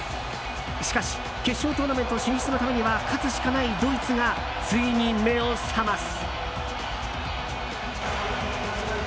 しかし決勝トーナメント進出のためには勝つしかないドイツがついに目を覚ます。